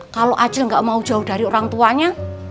kalau ajel gak mau jauh dari orang tuanya